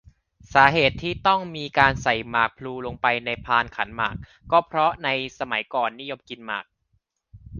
สาเหตุที่ต้องมีการใส่หมากพลูลงไปในพานขันหมาก ก็เพราะในสมัยก่อนนิยมกินหมาก